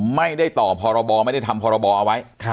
ไม่ได้ต่อพรบไม่ได้ทำพรบเอาไว้